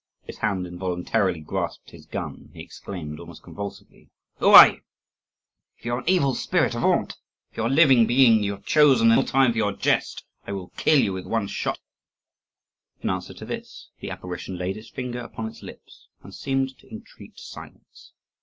His hand involuntarily grasped his gun; and he exclaimed almost convulsively: "Who are you? If you are an evil spirit, avaunt! If you are a living being, you have chosen an ill time for your jest. I will kill you with one shot." In answer to this, the apparition laid its finger upon its lips and seemed to entreat silence.